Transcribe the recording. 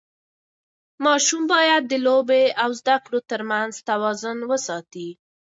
ماشوم باید د لوبو او زده کړې ترمنځ توازن وساتي.